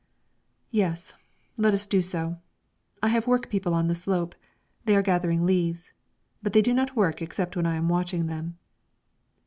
"Yes; let us do so. I have work people on the slope; they are gathering leaves, but they do not work except when I am watching them."